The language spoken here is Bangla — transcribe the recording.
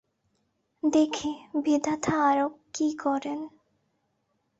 দেখি, বিধাতা আরো কি করেন।